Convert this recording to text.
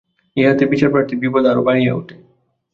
ইহাতে বিচারপ্রার্থীর বিপদ আরো বাড়িয়া উঠে।